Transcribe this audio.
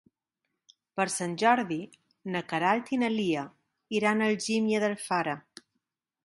Per Sant Jordi na Queralt i na Lia iran a Algímia d'Alfara.